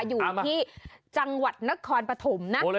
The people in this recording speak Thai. อยู่ที่จังหวัดนครปฐมนะ